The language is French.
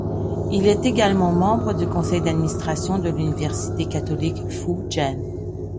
Il est également membre du Conseil d'administration de l'Université Catholique Fu Jen.